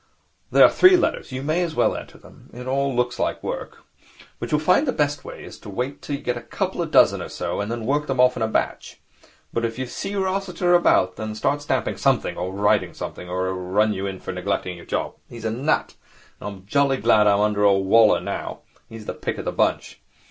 There are three letters. You may as well enter them. It all looks like work. But you'll find the best way is to wait till you get a couple of dozen or so, and then work them off in a batch. But if you see Rossiter about, then start stamping something or writing something, or he'll run you in for neglecting your job. He's a nut. I'm jolly glad I'm under old Waller now. He's the pick of the bunch.